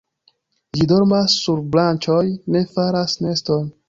Ĝi dormas sur branĉoj, ne faras neston.